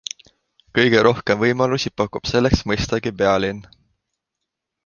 Kõige rohkem võimalusi pakub selleks mõistagi pealinn.